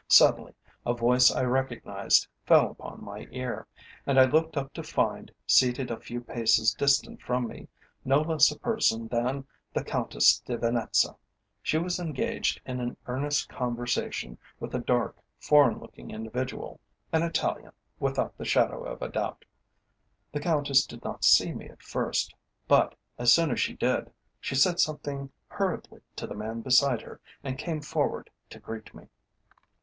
Suddenly a voice I recognised fell upon my ear, and I looked up to find, seated a few paces distant from me, no less a person than the Countess de Venetza. She was engaged in an earnest conversation with a dark, foreign looking individual, an Italian, without the shadow of a doubt. The Countess did not see me at first, but, as soon as she did, she said something hurriedly to the man beside her and came forward to greet me.